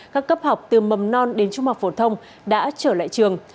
các cấp học từ mầm non đến trung học phổ thông đã trở lại trường